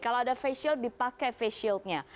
kalau ada face shield dipakai face shield nya